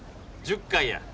１０回や。